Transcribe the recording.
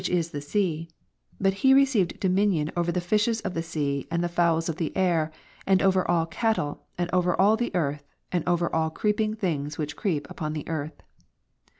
301 is the sea; but he received dominion over the fishes of the sea, andthej'oiols of the air, and over all cattle, and over all the earth, and over all creeping things which creep upon the earth.